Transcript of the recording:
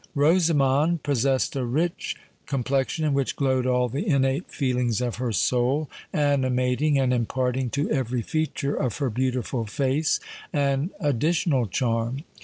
Rosamond possessed a rich complexion, in which glowed all the innate feelings of her soul, animating and imparting to every feature of her beautiful face an additional charm.